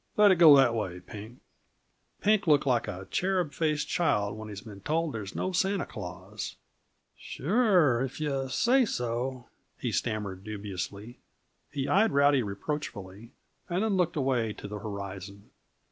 Let it go that way, Pink." Pink looked like a cherub faced child when he has been told there's no Santa Claus. "Sure, if yuh say so," he stammered dubiously. He eyed Rowdy reproachfully, and then looked away to the horizon.